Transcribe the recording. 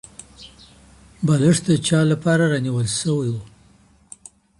بالښت د چا لپاره رانيول شوی وو؟